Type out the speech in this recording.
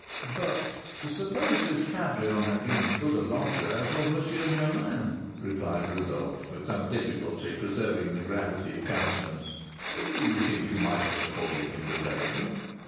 "But, supposing this Cabrion had been as good a lodger as was M. Germain," replied Rodolph, with some difficulty preserving the gravity of countenance, "do you think you might have accorded him the favour?"